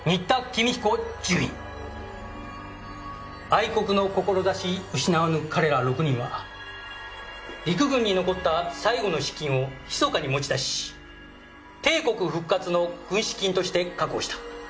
愛国の志失わぬ彼ら６人は陸軍に残った最後の資金を密かに持ち出し帝国復活の軍資金として確保した。